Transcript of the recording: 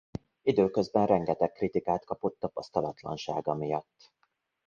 Időközben rengeteg kritikát kapott tapasztalatlansága miatt.